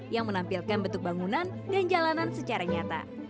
yang menampilkan bentuk bangunan dan jalanan secara nyata